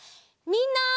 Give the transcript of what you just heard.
みんな！